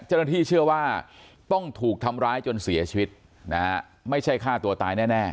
เจ้าหน้าที่เชื่อว่าต้องถูกทำร้ายจนเสียชีวิตนะฮะไม่ใช่ฆ่าตัวตายแน่